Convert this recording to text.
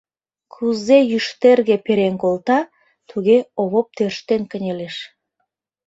Кузе Йӱштэрге перен колта, туге Овоп тӧрштен кынелеш.